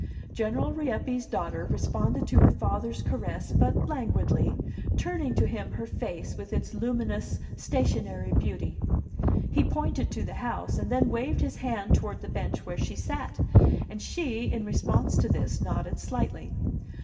General Rieppe's daughter responded to her father's caress but languidly, turning to him her face, with its luminous, stationary beauty. He pointed to the house, and then waved his hand toward the bench where she sat; and she, in response to this, nodded slightly.